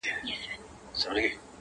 اخلو انتقام به له تیارو یاره,